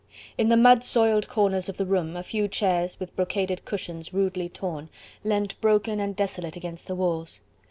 In the mud soiled corners of the room a few chairs, with brocaded cushions rudely torn, leant broken and desolate against the walls.